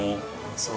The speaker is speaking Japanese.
そう。